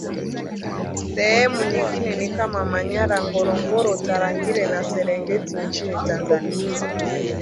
sehemu nyingine ni kama Manyara Ngorongoro Tarangire na Serengeti nchini Tanzania